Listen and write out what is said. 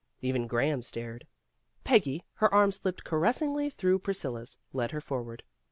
Even Graham stared. Peggy, her arm slipped caressingly through Priscilla's, led her forward.